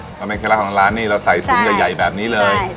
เพราะมันเป็นเคล็ดลับของร้านนี้เราใส่ซุปใหญ่แบบนี้เลย